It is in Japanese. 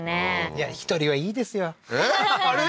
いや１人はいいですよえっ？あれ？